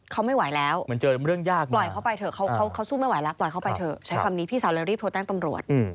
เขาไม่ไหวแล้วปล่อยเขาไปเถอะเขาสู้ไม่ไหวแล้วปล่อยเขาไปเถอะใช้คำนี้พี่สาวเร็วรีบโทรแต่งตำรวจ